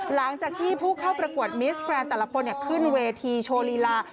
หลังจากที่ผู้เข้าประกวดมิสแกรนด์แต่ละคนขึ้นเวทีโชว์ลีลา